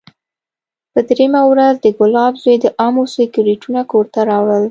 پر درېيمه ورځ د ګلاب زوى د امو څو کرېټونه کور ته راوړل.